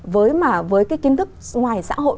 với cái kiến thức ngoài xã hội